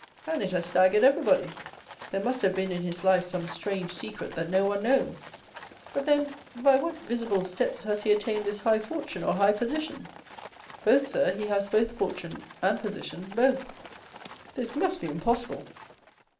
"And it has staggered everybody. There must have been in his life some strange secret that no one knows." "But, then, by what visible steps has he attained this high fortune or high position?" "Both, sir—he has both fortune and position—both." "This must be impossible!"